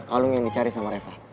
kalung yang dicari sama reva